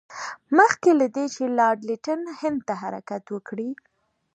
مخکې له دې چې لارډ لیټن هند ته حرکت وکړي.